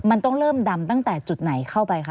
มันต้องเริ่มดำตั้งแต่จุดไหนเข้าไปคะ